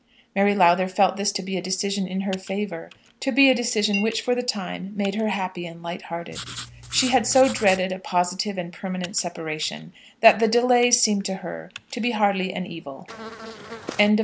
Mary Lowther felt this to be a decision in her favour, to be a decision which for the time made her happy and light hearted. She had so dreaded a positive and permanent separation, that the delay seemed to her to be hardly an evil. CHAPTER XXXII. MR.